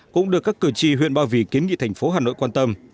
cũng được các cử tri huyện ba vì kiến nghị thành phố hà nội quan tâm